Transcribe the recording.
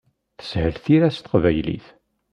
Teshel tira s teqbaylit.